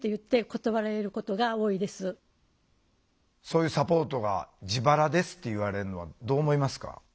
そういうサポートが「自腹です」って言われるのはどう思いますか？